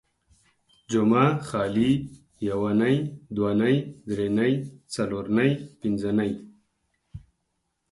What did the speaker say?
جمعه ، خالي ، يونۍ ،دونۍ ، دري نۍ، څلور نۍ، پنځه نۍ